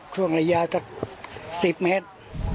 ช่วงระยะสัก๑๐เมตร